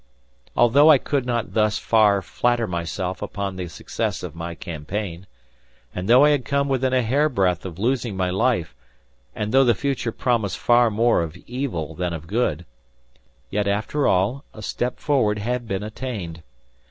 Although I could not thus far flatter myself upon the success of my campaign, and though I had come within a hairbreadth of losing my life and though the future promised far more of evil than of good, yet after all, a step forward had been attained.